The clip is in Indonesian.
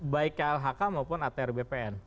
baik klhk maupun atr bpn